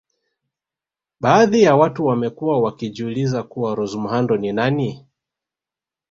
Baadhi ya watu wamekuwa wakijiuliza kuwa Rose muhando ni nani